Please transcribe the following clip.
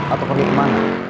atau pergi kemana